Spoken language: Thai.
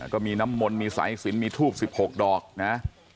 ก็มีน้ำมนต์มีสายสินมีทูบ๑๖ดอกนะ